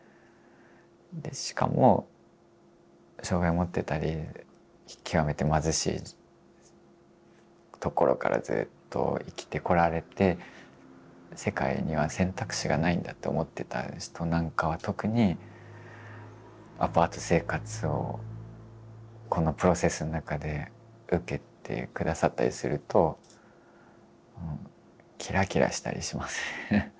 しかも障害を持ってたり極めて貧しいところからずっと生きてこられて世界には選択肢がないんだと思ってた人なんかは特にアパート生活をこのプロセスの中で受けて下さったりするとキラキラしたりしますね。